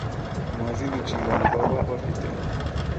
nta zindi nshingano baba bafite.